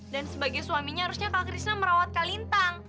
dan sebagai suaminya harusnya kak krisna merawat kak kalintang